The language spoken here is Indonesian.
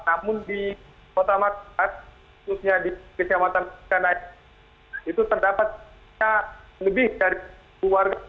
namun di kota makassar khususnya di kisah matan itu terdapatnya lebih dari dua warga